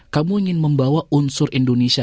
kamu ingin membawa unsur indonesia